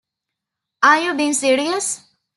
Are you being serious?